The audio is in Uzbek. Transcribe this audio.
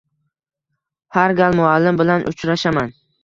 Har gal muallim bilan uchrashaman.